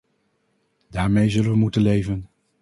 Daarmee zullen we moeten leven.